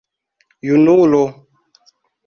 Junulo!